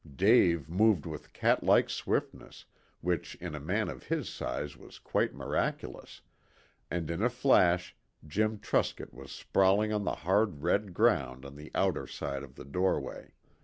Dave moved with cat like swiftness, which in a man of his size was quite miraculous, and in a flash Jim Truscott was sprawling on the hard red ground on the other side of the doorway.